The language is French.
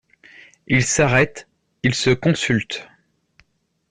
Ils s'arrêtent, ils se consultent.